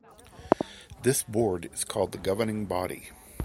This Board is called the Governing Body.